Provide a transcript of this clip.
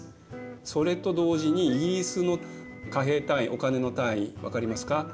それと同時にイギリスの貨幣単位お金の単位分かりますか？